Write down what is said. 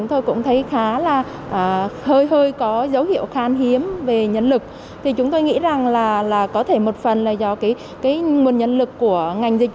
nói chung là dài